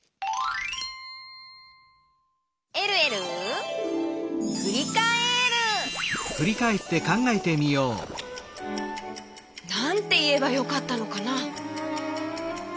「えるえるふりかえる」なんていえばよかったのかな？